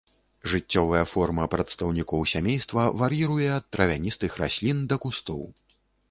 Жыццёвая форма прадстаўнікоў сямейства вар'іруе ад травяністых раслін да кустоў.